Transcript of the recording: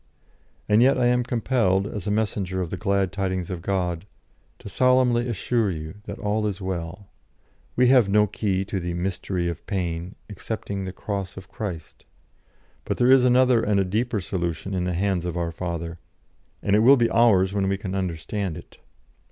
And yet I am compelled, as a messenger of the glad tidings of God, to solemnly assure you that all is well. We have no key to the 'mystery of pain' excepting the Cross of Christ. But there is another and a deeper solution in the hands of our Father; and it will be ours when we can understand it.